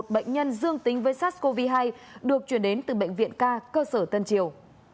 một mươi một bệnh nhân dương tính với sars cov hai được chuyển đến từ bệnh viện k cơ sở tân triều